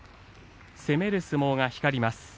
攻める相撲が光ります。